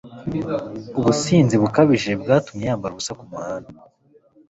Ubusinzi bukabije bwatumyyambara ubusa kumuhanda